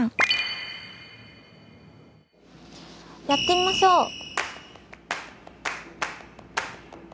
やってみましょう！